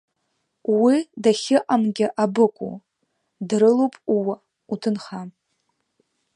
Уи дахьыҟамгьы абыкәу, дрылоуп ууа, уҭынха.